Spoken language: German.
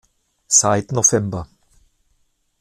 Seit Nov.